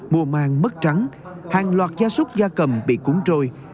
mùa mang mất trắng hàng loạt gia súc gia cầm bị cúng trôi